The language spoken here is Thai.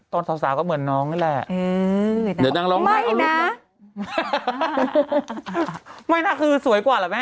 ตอนสาวก็เหมือนน้องนี่แหละ